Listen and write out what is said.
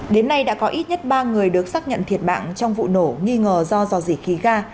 đến nay đã có ít nhất ba người được xác nhận thiệt mạng trong vụ nổ nghi ngờ do dò dỉ khí ga